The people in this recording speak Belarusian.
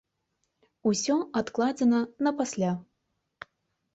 Усё адкладзена на пасля.